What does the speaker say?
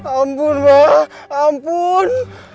ampun ma ampun